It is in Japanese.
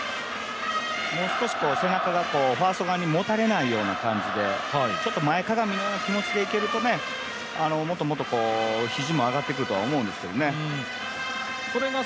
もう少し背中がファースト側にもたれないような形で前かがみの気持ちでいけると、もっともっと肘も上がってくると思うんですけどね。